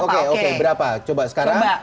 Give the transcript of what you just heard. oke berapa coba sekarang